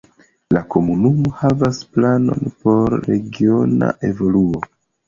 La komunumo havas planon por regiona evoluo.